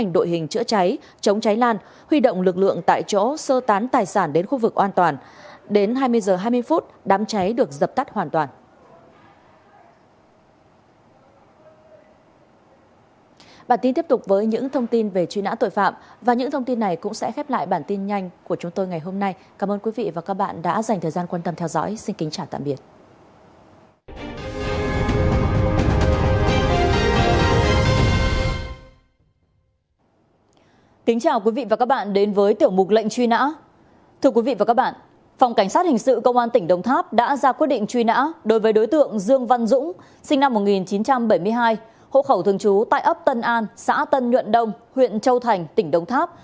đối với đối tượng dương văn dũng sinh năm một nghìn chín trăm bảy mươi hai hộ khẩu thường trú tại ấp tân an xã tân nhuận đông huyện châu thành tỉnh đông tháp